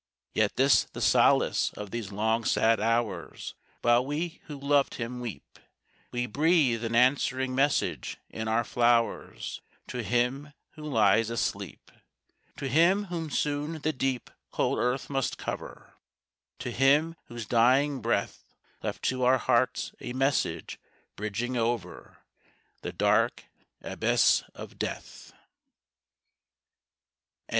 Yet this the solace of these long sad hours While we who loved him weep, We breathe an answering message in our flowers To him who lies asleep. To him whom soon the deep, cold earth must cover, To him whose dying breath Left to our hearts a message bridging over The dark abyss of Death.